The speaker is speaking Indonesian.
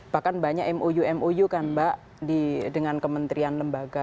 bahkan banyak mou mou kan mbak dengan kementerian lembaga